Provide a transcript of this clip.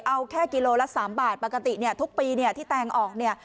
เอาแค่กิโลละ๓บาทปกติเนี่ยทุกปีเนี่ยที่แตงออกเนี่ย